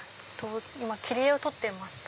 今切り絵を撮ってました。